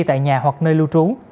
tại nhà hoặc nơi lưu trú